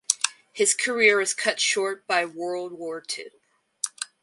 His career was cut short by World War Two.